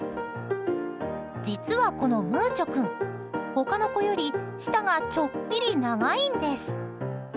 実は、このムーチョ君他の子より舌がちょっぴり長いんです。